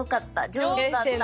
上手だった。